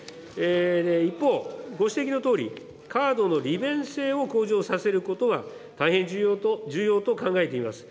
一方、ご指摘のとおり、カードの利便性を向上させることは、大変重要と考えています。